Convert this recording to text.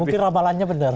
mungkin ramalannya benar